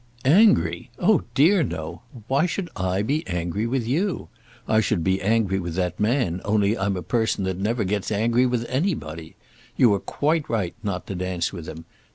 "Angry! oh dear, no. Why should I be angry with you? I should be angry with that man, only I'm a person that never gets angry with anybody. You were quite right not to dance with him.